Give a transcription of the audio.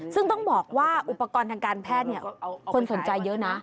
ซึ่งต้องบอกว่าอุปกรณ์ทางการแพทย์คนสนใจเยอะนะ